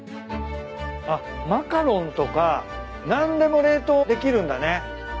あっマカロンとか何でも冷凍できるんだね。